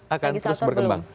akan terus berkembang